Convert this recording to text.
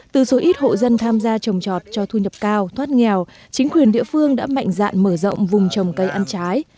từ số ít hộ dân tham gia trồng trọt cho thu nhập cao thoát nghèo chính quyền địa phương đã mạnh dạn mở rộng vùng trồng cây ăn trái